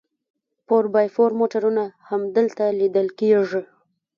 فور بای فور موټرونه هم هلته لیدل کیږي